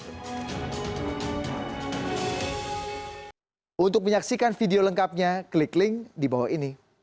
untuk menyaksikan video lengkapnya klik link di bawah ini